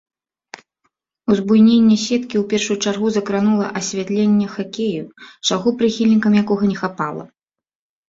Узбуйненне сеткі ў першую чаргу закранула асвятленне хакею, чаго прыхільнікам якога не хапала.